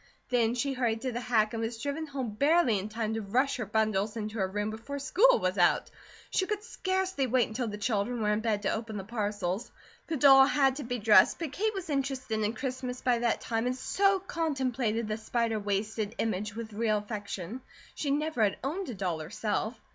Then she hurried to the hack and was driven home barely in time to rush her bundles into her room before school was out. She could scarcely wait until the children were in bed to open the parcels. The doll had to be dressed, but Kate was interested in Christmas by that time, and so contemplated the spider waisted image with real affection. She never had owned a doll herself.